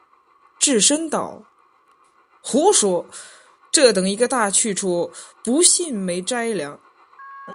智深道：“胡说，这等一个大去处，不信没斋粮。